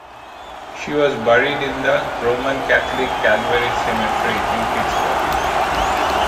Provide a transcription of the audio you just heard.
She was buried in the Roman Catholic Calvary Cemetery in Pittsburgh.